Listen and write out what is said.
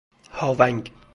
هاونگ